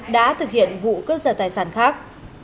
đã thực hiện vụ cướp sở tài sản khác